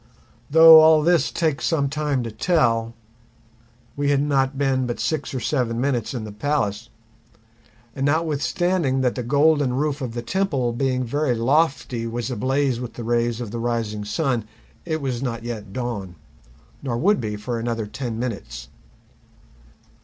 Though all this takes some time to tell, we had not been but six or seven minutes in the palace; and notwithstanding that the golden roof of the temple being very lofty was ablaze with the rays of the rising sun, it was not yet dawn, nor would be for another ten minutes.